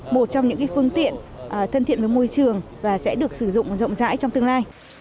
một trong những phương tiện thân thiện với môi trường và sẽ được sử dụng rộng rãi trong tương lai